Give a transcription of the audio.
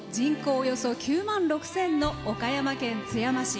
およそ９万６０００の岡山県津山市。